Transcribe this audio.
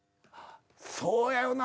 そうやよな。